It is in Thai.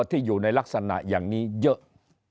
ที่อยู่ในลักษณะอย่างนี้เยอะ